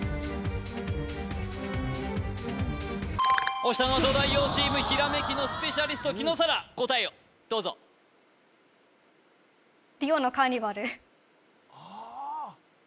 押したのは東大王チーム閃きのスペシャリスト紀野紗良答えをどうぞああ